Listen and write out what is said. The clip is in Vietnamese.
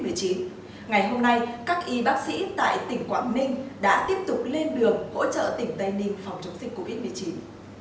ngày hôm nay các y bác sĩ tại tỉnh quảng ninh đã tiếp tục lên đường hỗ trợ tỉnh tây ninh phòng chống dịch covid một mươi chín